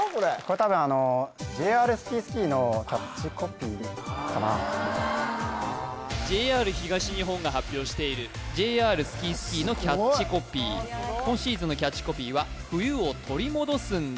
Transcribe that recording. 多分ＪＲＳＫＩＳＫＩのキャッチコピーかなＪＲ東日本が発表しているＪＲＳＫＩＳＫＩのキャッチコピー今シーズンのキャッチコピーは「冬を取り戻すんだ。」